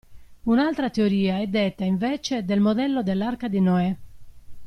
Un'altra teoria è detta invece del modello dell'arca di Noè.